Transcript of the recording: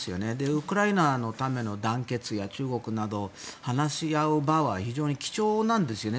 ウクライナのための団結や中国など話し合う場は非常に貴重なんですよね。